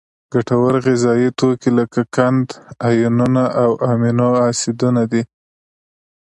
ګټور غذایي توکي لکه قند، آیونونه او امینو اسیدونه دي.